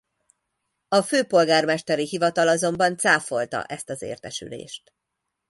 A Főpolgármesteri Hivatal azonban cáfolta ezt az értesülést.